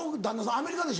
アメリカでしょ。